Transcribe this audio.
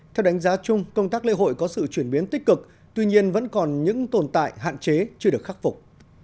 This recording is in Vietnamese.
theo đánh giá chung công tác lễ hội có sự chuyển biến tích cực tuy nhiên vẫn còn những tồn tại hạn chế chưa được khắc phục